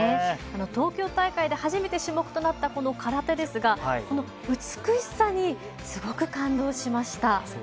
東京大会で初めて種目となったこの空手ですが、その美しさにすごく感動しました。